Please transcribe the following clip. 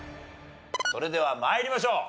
それでは参りましょう。